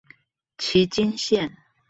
旗津線